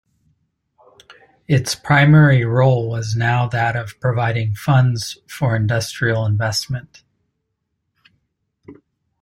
Its primary role was now that of providing funds for industrial investment.